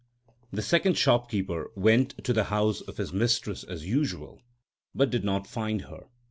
The second shopkeeper went to the house of his mistress as usual, but did not find her.